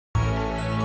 tapi itu bukan karena